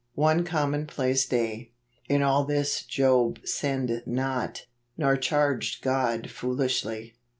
" One Commonplace Day. " In all this Job sinned not, nor charged God foolishly."